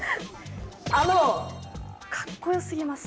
あのカッコよすぎます。